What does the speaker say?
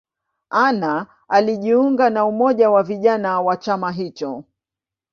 Anna alijiunga na umoja wa vijana wa chama hicho.